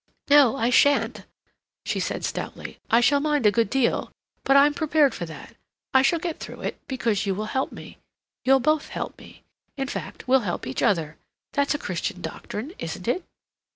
"No I shan't," she said stoutly. "I shall mind a good deal, but I'm prepared for that; I shall get through it, because you will help me. You'll both help me. In fact, we'll help each other. That's a Christian doctrine, isn't it?"